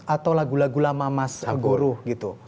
atau lagu lagu lama mas guru gitu